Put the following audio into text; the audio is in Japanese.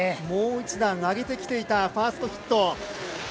もう一段上げてきていたファーストヒット。